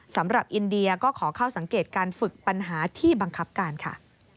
สำหรับอินเดียก็ขอเข้าสังเกตการฝึกปัญหาที่บังคับการค่ะ